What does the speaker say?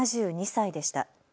７２歳でした。